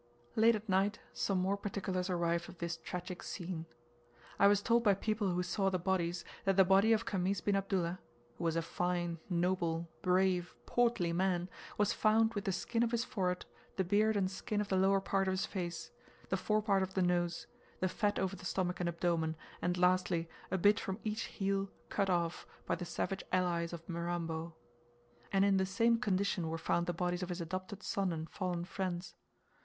Late at night some more particulars arrived of this tragic scene. I was told by people who saw the bodies, that the body of Khamis bin Abdullah, who was a fine noble, brave, portly man, was found with the skin of his forehead, the beard and skin of the lower part of his face, the fore part of the nose, the fat over the stomach and abdomen, and, lastly, a bit from each heel, cut off, by the savage allies of Mirambo. And in the same condition were found the bodies of his adopted son and fallen friends.